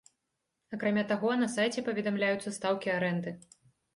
Акрамя таго, на сайце паведамляюцца стаўкі арэнды.